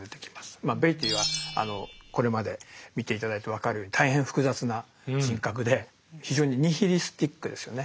まあベイティーはこれまで見て頂いて分かるように大変複雑な人格で非常にニヒリスティックですよね。